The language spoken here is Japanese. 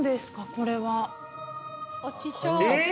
これは。えっ！